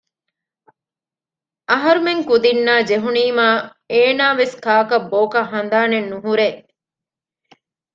އަހަރުމެން ކުދިންނާ ޖެހުނީމާ އޭނާވެސް ކާކަށް ބޯކަށް ހަނދާނެއް ނުހުރޭ